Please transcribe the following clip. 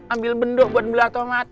ambil benduk buat belah tomat